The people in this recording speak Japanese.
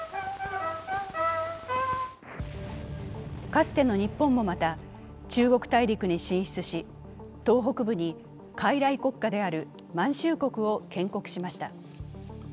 かつての日本もまた、中国大陸に進出し、東北部にかいらい国家である満州国を建国しました。